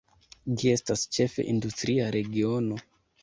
Gi estas ĉefe industria regiono.